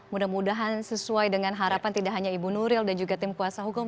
mudah mudahan sesuai dengan harapan tidak hanya ibu nuril dan juga tim kuasa hukum